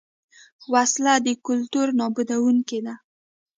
وسله د کلتور نابودوونکې ده